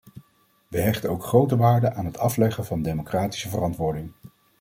We hechten ook grote waarde aan het afleggen van democratische verantwoording.